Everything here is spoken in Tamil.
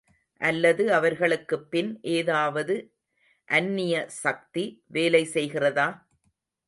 அல்லது அவர்களுக்குப் பின் ஏதாவது அந்நிய சக்தி வேலை செய்கிறதா?